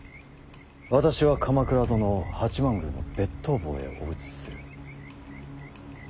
私は鎌倉殿を八幡宮の別当房へお移しする。